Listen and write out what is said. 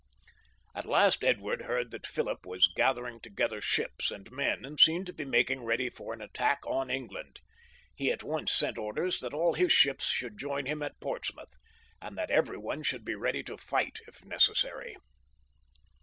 At last Edward heard that Philip was gathering together ships and men, and seemed to be making ready for an attack on England. He at once sent orders that all his ships should join him at Portsmouth, and that every one should be ready to fight if necessary.